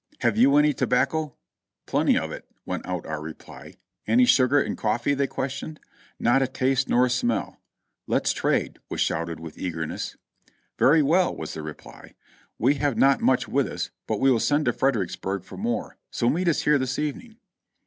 "Have you any tobacco?" "Plenty of it," went out our reply. "Any sugar and coffee?" they questioned. "Not a taste nor a smell." "Let's trade," was shouted with eagerness. "Very well," was the reply. "We have not much with us, but we will send to Fredericksburg for more, so meet us here this evening."